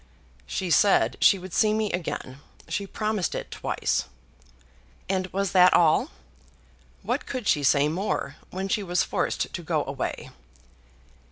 "She said she would see me again. She promised it twice." "And was that all?" "What could she say more, when she was forced to go away?"